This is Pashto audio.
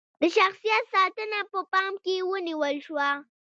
د شخصیت ساتنه په پام کې ونیول شوه.